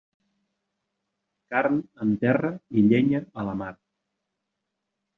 Carn en terra i llenya a la mar.